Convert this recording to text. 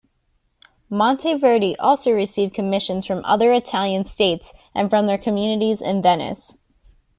Monteverdi also received commissions from other Italian states and from their communities in Venice.